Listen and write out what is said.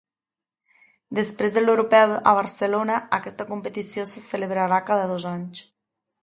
Després de l'Europeu a Barcelona, aquesta competició se celebrarà cada dos anys.